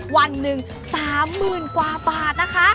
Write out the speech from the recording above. วันหนึ่ง๓๐๐๐กว่าบาทนะคะ